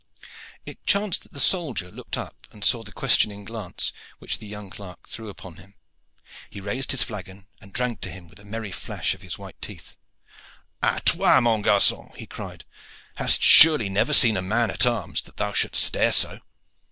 It chanced that the soldier looked up and saw the questioning glance which the young clerk threw upon him. He raised his flagon and drank to him, with a merry flash of his white teeth. "A toi, mon garcon," he cried. "Hast surely never seen a man at arms, that thou shouldst stare so?"